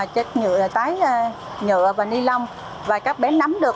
chất nhựa tái nhựa và ni lông và các bé nắm được